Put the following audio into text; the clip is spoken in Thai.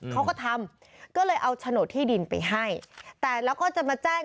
เขาก็ทำก็เลยเอาโฉนดที่ดินไปให้แต่แล้วก็จะมาแจ้ง